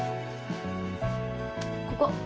ここ。